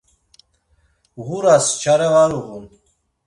Ğuras çare var uğun.